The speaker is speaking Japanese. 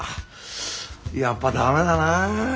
やっぱ駄目だな。